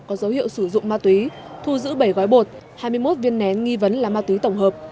có dấu hiệu sử dụng ma túy thu giữ bảy gói bột hai mươi một viên nén nghi vấn là ma túy tổng hợp